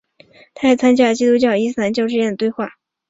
他还参与了基督教和伊斯兰教之间的对话。